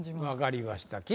分かりました。